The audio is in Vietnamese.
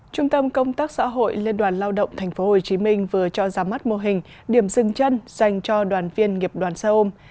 trung tâm công tác xã hội liên đoàn lao động tp hcm vừa cho ra mắt mô hình điểm dừng chân dành cho đoàn viên nghiệp đoàn xe ôm